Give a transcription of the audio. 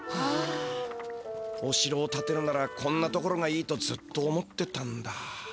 お城をたてるならこんな所がいいとずっと思ってたんだ。